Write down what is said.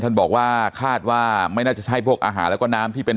ท่านบอกว่าคาดว่าไม่น่าจะใช่พวกอาหารแล้วก็น้ำที่เป็น